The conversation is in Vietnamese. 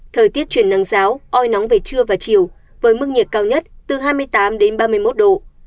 thời tiết chuyển đáng ráo oi nóng về trưa và chiều với mức nhiệt cao nhất từ hai mươi tám ba mươi một độ